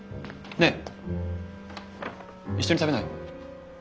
ねえ一緒に食べない？